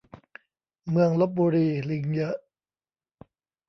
เมืองลพบุรีลิงเยอะ